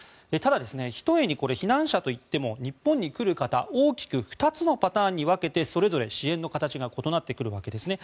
ただ、ひとえに避難者といっても日本に来る方は大きく２つのパターンに分けてそれぞれ支援の形が異なってくるわけです。